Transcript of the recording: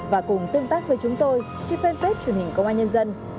và cùng tương tác với chúng tôi trên fanpage truyền hình công an nhân dân